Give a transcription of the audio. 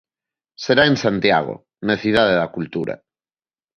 Será en Santiago, na Cidade da Cultura.